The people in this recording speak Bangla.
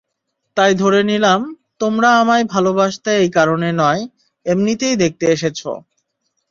তাই ধরে নিলাম, তোমরা আমায় ভালবাসতে এই কারণে নয়, এমনিতেই দেখতে এসেছো।